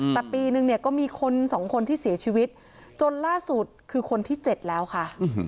แต่ปีนึงเนี่ยก็มีคน๒คนที่เสียชีวิตจนล่าสุดคือคนที่๗แล้วค่ะ